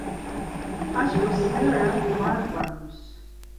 Aşǩva sigarak var ǩvanums.